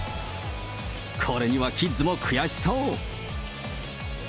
これにはキッズも悔しそう。